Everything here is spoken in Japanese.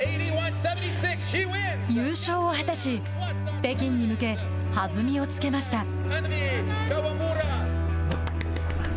優勝を果たし北京に向け弾みをつけました。